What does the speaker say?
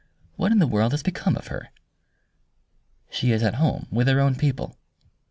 What in the world has become of her?" "She is at home with her own people."